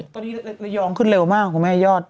ตอนนี้หลขั้นเร็วนิเวร์ดเหมือนกันมากครับคุณแม่ยอด